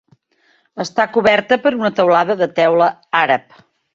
Està coberta per una teulada de teula àrab.